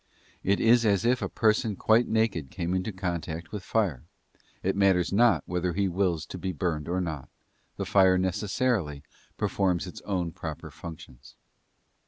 It is as if a person quite naked came into contact with fire: it matters not whether he wills to be burned or not, the fire necessarily performs its own proper functions.